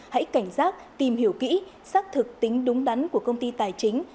hãy cảnh giác tìm hiểu kỹ xác thực tính đúng đắn của công ty tài chính